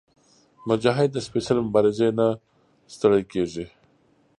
مجاهد د سپېڅلې مبارزې نه ستړی کېږي.